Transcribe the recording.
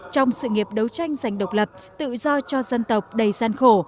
trong sự nghiệp đấu tranh giành độc lập tự do cho dân tộc đầy gian khổ